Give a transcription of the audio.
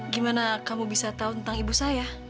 gimana kamu bisa tahu tentang ibu saya